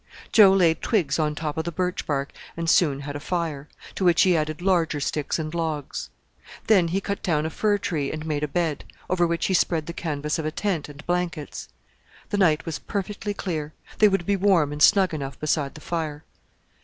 Joe laid twigs on top of the birch bark and soon had a fire, to which he added larger sticks and logs. Then he cut down a fir tree and made a bed, over which he spread the canvas of a tent and blankets. The night was perfectly clear, they would be warm and snug enough beside the fire.